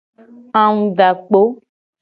Angudakpo.